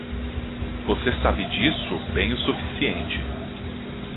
Você sabe disso bem o suficiente.